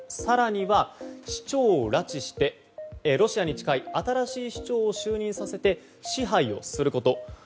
更には、市長を拉致してロシアに近い新しい市長を就任させて支配をすること。